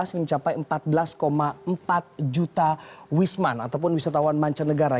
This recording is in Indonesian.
ini mencapai empat belas empat juta wisman ataupun wisatawan mancanegara